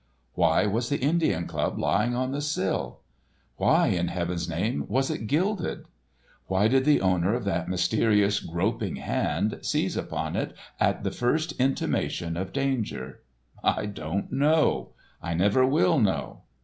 Why was the Indian club lying on the sill? Why, in Heaven's name, was it gilded? Why did the owner of that mysterious groping hand, seize upon it at the first intimation of danger? I don't know—I never will know.